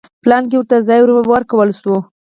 پلان کې ورته ځای ورکړل شوی و.